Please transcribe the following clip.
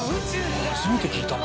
初めて聞いたな。